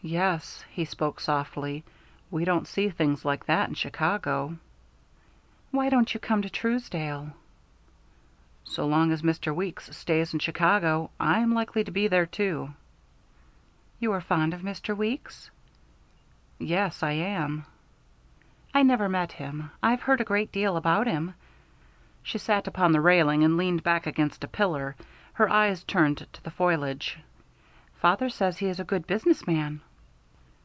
"Yes," he spoke softly, "we don't see things like that in Chicago." "Why don't you come to Truesdale?" "So long as Mr. Weeks stays in Chicago, I am likely to be there too." "You are fond of Mr. Weeks?" "Yes, I am." "I never met him I've heard a great deal about him." She sat upon the railing and leaned back against a pillar, her eyes turned to the foliage. "Father says he is a good business man."